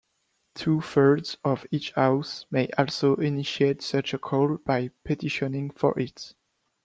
Two-thirds of each house may also initiate such a call by petitioning for it.